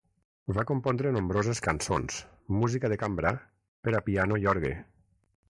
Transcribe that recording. Va compondre nombroses cançons, música de cambra, per a piano i orgue.